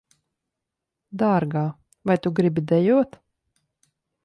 Dārgā, vai tu gribi dejot?